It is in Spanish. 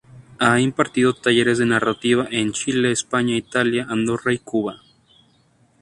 Ha impartido talleres de narrativa en Chile, España, Italia, Andorra y Cuba.